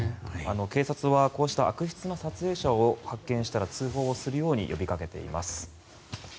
警察は、こうした悪質な撮影者を発見したら通報をするように呼びかけています。